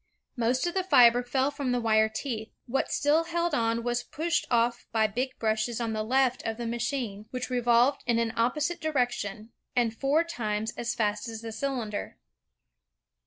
Most of the fiber fell from the wire teeth. What still held on was pushed off by big brushes on the left of the machine, which revolved in an opposite direction and four times as fast as the cylinder.